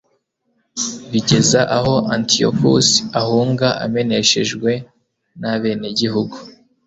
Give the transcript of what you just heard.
bigeza aho antiyokusi ahunga ameneshejwe n'abenegihugu